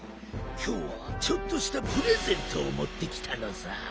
きょうはちょっとしたプレゼントをもってきたのさ。